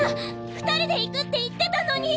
２人で行くって言ってたのに！